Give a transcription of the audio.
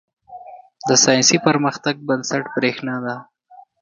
• د ساینسي پرمختګ بنسټ برېښنا ده.